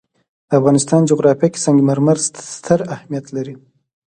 د افغانستان جغرافیه کې سنگ مرمر ستر اهمیت لري.